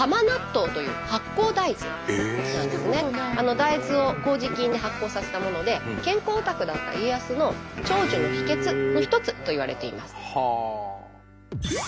大豆をこうじ菌で発酵させたもので健康オタクだった家康の長寿の秘けつの一つといわれています。